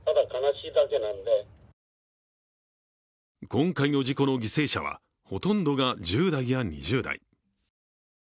今回の事故の犠牲者は、ほとんどが１０代や２０代。